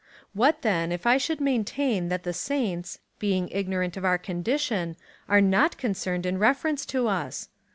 What, then, if I should maintain that the saints, being ignorant of our condition, are not concerned in reference to us